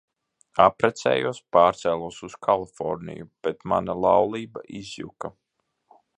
Apprecējos, pārcēlos uz Kaliforniju, bet mana laulība izjuka.